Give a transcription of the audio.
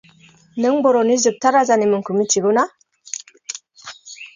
नों बर'नि जोबथा राजानि मुंखौ मिथिगौ ना?